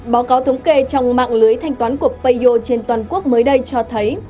báo cáo thống kê trong mạng lưới thanh toán của payo trên toàn quốc mới đây cho thấy